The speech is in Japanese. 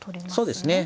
そうですね。